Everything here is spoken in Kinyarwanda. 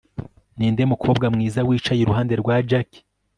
Ninde mukobwa mwiza wicaye iruhande rwa Jack